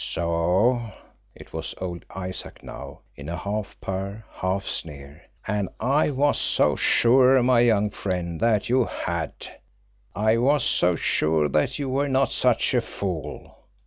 "So!" It was old Isaac now, in a half purr, half sneer. "And I was so sure, my young friend, that you had. I was so sure that you were not such a fool.